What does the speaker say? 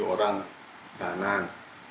tujuh orang tahanan